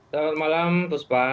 selamat malam tuspa